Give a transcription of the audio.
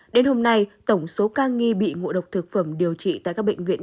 đến hôm nay tổng số ca nghi bị ngộ độc thực phẩm điều trị tại các bệnh viện